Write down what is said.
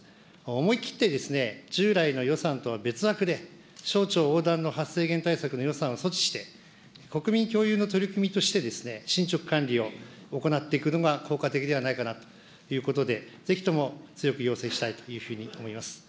思い切って、従来の予算とは別枠で、省庁横断の発生源対策の予算を措置して、国民共有の取り組みとしてですね、進捗管理を行っていくのが効果的ではないかなということで、ぜひとも強く要請したいというふうに思います。